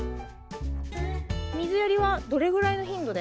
水やりはどれぐらいの頻度で。